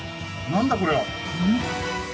何だこれは！